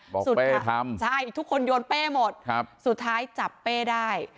บอกเป๊ะทำใช่ทุกคนโยนเป๊ะหมดครับสุดท้ายจับเป๊ะได้